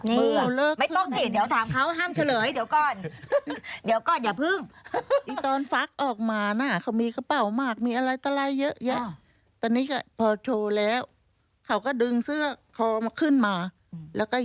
นี่เหรอเลิกขึ้นมากับชายเสื้อ